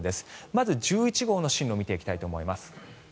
まず１１号の進路を見ていきたいと思います。